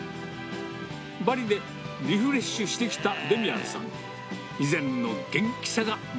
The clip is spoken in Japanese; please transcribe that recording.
バリでリフレッシュしてきたデミアンさん。